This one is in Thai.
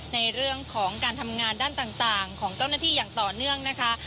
ในเรื่องของการทำงานด้านต่างของเจ้าหน้าที่อย่างต่อเนื่องนะคะ